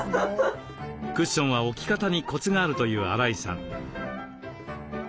クッションは置き方にコツがあるという荒井さん。